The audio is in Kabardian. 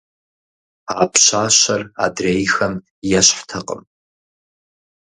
А пщащэр адрейхэм ещхьтэкъым.